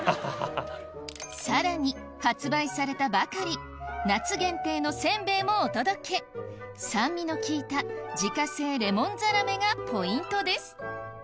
さらに発売されたばかり夏限定のせんべいもお届け酸味の効いた自家製レモンざらめがポイントです